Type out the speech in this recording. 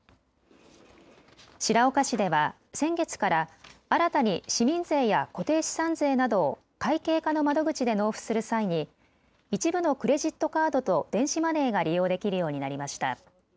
白岡市では先月から新たに市民税や固定資産税などを会計課の窓口で納付する際に一部のクレジットカードと電子マネーが利用できるようになりました。